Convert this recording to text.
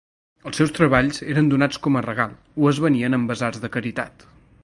Els seus treballs eren donats com a regal o es venien en basars de caritat.